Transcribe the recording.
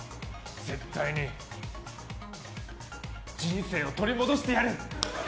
絶対に人生を取り戻してやる！